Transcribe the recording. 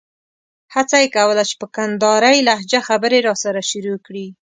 هڅه یې کوله چې په کندارۍ لهجه خبرې راسره شروع کړي.